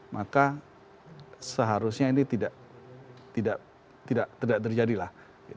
maka seharusnya ini tidak terjadi lah